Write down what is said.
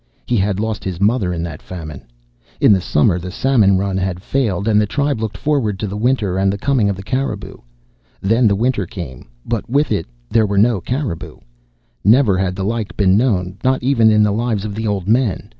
He had lost his mother in that famine. In the summer the salmon run had failed, and the tribe looked forward to the winter and the coming of the caribou. Then the winter came, but with it there were no caribou. Never had the like been known, not even in the lives of the old men.